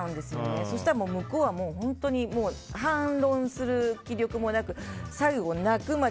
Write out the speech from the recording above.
そしたら向こうは本当に反論する気力もなく最後は泣くまで。